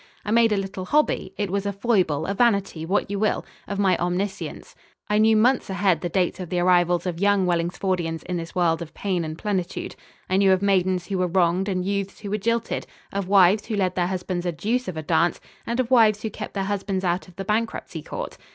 I made a little hobby it was a foible, a vanity, what you will of my omniscience. I knew months ahead the dates of the arrivals of young Wellingsfordians in this world of pain and plenitude. I knew of maidens who were wronged and youths who were jilted; of wives who led their husbands a deuce of a dance, and of wives who kept their husbands out of the bankruptcy court.